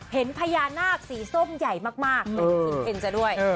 เห็นพญานาคสีส้มใหญ่มากเห็นจริงจ้ะด้วย